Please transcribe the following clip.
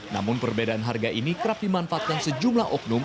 namun perbedaan harga ini kerap dimanfaatkan sejumlah oknum